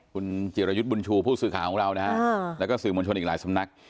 คุณจิรยุทธ์บุญชูผู้สื่อข่าวของเรานะฮะแล้วก็สื่อมวลชนอีกหลายสำนัก